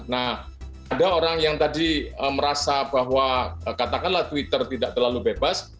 nah ada orang yang tadi merasa bahwa katakanlah twitter tidak terlalu bebas